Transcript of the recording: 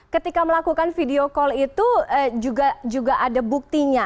ketika melakukan video call itu juga ada buktinya